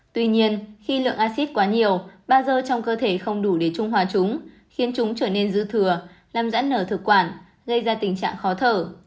tuy nhiên khi lượng acid quá nhiều ba dơ trong cơ thể không đủ để trung hòa chúng khiến chúng trở nên dư thừa làm giãn nở thực quản gây ra tình trạng khó thở